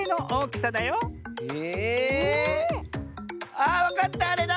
ああっわかったあれだ！